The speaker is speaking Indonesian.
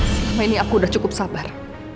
selama ini aku sudah cukup sabar